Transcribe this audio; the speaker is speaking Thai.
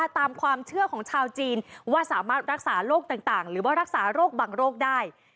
ตามความเชื่อของชาวจีนว่าสามารถรักษาโรคต่างหรือว่ารักษาโรคบางโรคได้